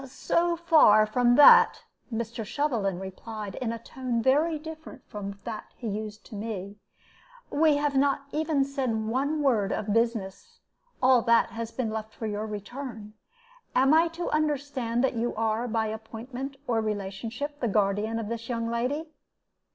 "So far from that," Mr. Shovelin replied, in a tone very different from that he used to me, "we have not even said one word of business; all that has been left for your return. Am I to understand that you are by appointment or relationship the guardian of this young lady?"